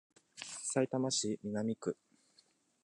さいたま市南区